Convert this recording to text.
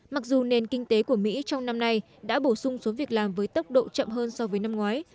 mặc dù nền kinh tế của mỹ trong năm nay đã bổ sung số việc làm với tốc độ chậm hơn so với năm ngoái